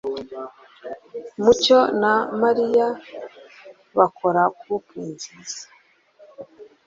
mucyo na Mariya bakora couple nziza.